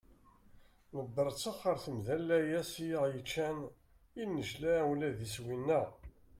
Nebberttex ɣer temda n layas i aɣ-yeččan, yennejla ula d iswi-nneɣ.